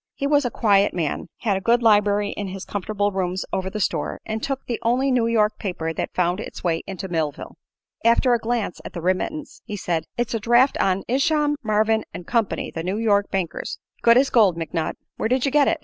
He was a quiet man, had a good library in his comfortable rooms over the store, and took the only New York paper that found its way into Millville. After a glance at the remittance he said: "It's a draft on Isham, Marvin & Company, the New York bankers. Good as gold, McNutt. Where did you get it?"